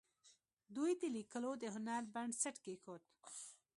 دوی د لیکلو د هنر بنسټ کېښود.